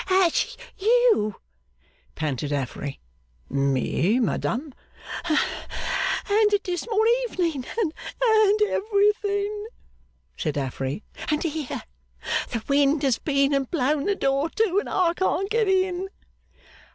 'At you,' panted Affery. 'Me, madam?' 'And the dismal evening, and and everything,' said Affery. 'And here! The wind has been and blown the door to, and I can't get in.